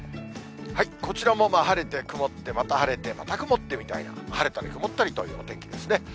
こちらも晴れて、曇って、また晴れて、また曇ってみたいな、晴れたり曇ったりというお天気ですね。